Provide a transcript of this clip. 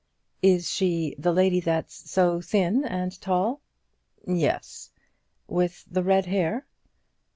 "Is she the lady that's so thin and tall?" "Yes." "With the red hair?"